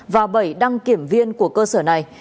và bảy đăng kiểm viên của cơ sở này